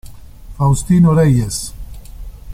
Faustino Reyes